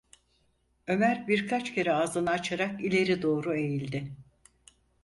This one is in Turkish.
Ömer birkaç kere ağzını açarak ileri doğru eğildi.